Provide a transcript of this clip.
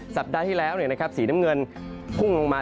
สัปดาห์ที่แล้วสีน้ำเงินพุ่งลงมา